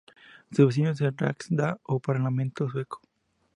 Su vecino es el Riksdag o Parlamento Sueco.